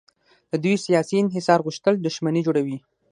د دوی سیاسي انحصار غوښتل دښمني جوړوي.